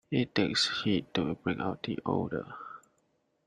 It takes heat to bring out the odor.